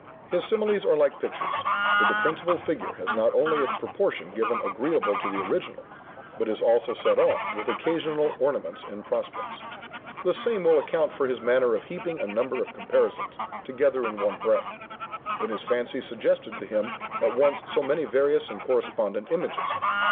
His similes are like pictures, where the principal figure has not only its proportion given agreeable to the original, but is also set off with occasional ornaments and prospects. The same will account for his manner of heaping a number of comparisons together in one breath, when his fancy suggested to him at once so many various and correspondent images.